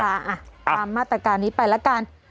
อ่ะตามมาตรการนี้ไปละกัน